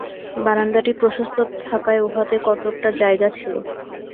বারান্দাটি প্রশস্ত থাকায় উহাতে কতকটা জায়গা ছিল।